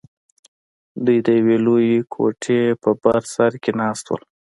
دوى د يوې لويې کوټې په بر سر کښې ناست وو.